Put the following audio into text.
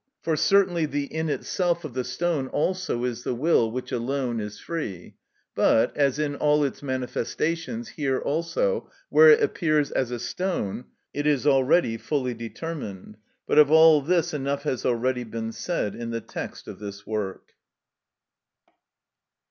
For certainly the in itself of the stone also is the will, which alone is free; but, as in all its manifestations, here also, where it appears as a stone, it is already fully determined. But of all this enough has already been said in the text of this work.